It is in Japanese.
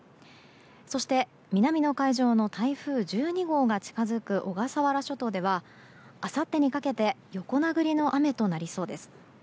そして、南の海上の台風１２号が近づく小笠原諸島ではあさってにかけて横殴りの雨となりそうです。